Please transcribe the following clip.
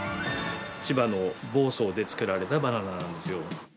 千葉の房総で作られたバナナなんですよ。